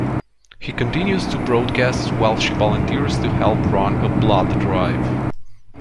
He continues to broadcast, while she volunteers to help run a blood drive.